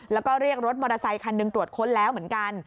แล้วก็เรียกรถมอเตอร์ไซคันหนึ่งตรวจค้นแล้วเหมือนกัน